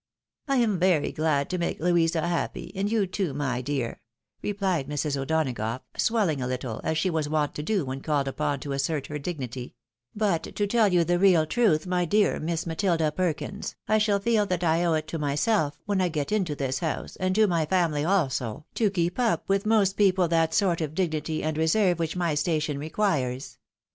" I am very glad to make Louisa happy, and you too, my dear," replied Mrs. O'Donagough, swelling a Uttle, as she was wont to do when called upon to assert her dignity ;" but, to tell you the real truth, my dear Miss Matilda Perkins, I shall feel that I owe it to myself, when I get into this house, and to my family also, to keep up with most people that sort of dignity and reserve which my station requires.